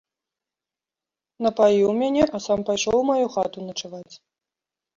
Напаіў мяне, а сам пайшоў у маю хату начаваць.